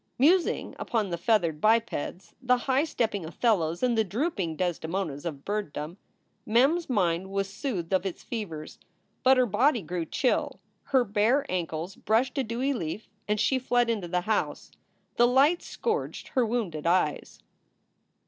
Musing upon the feathered bipeds, the high stepping Othellos and the drooping Desdemonas of birddom, Mem s mind was soothed of its fevers. But her body grew chill. Her bare ankles brushed a dewy leaf and she fled into the house. The light scourged her wounded eyes.